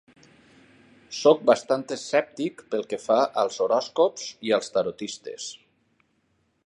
Soc bastant escèptic pel que fa als horòscops i als tarotistes.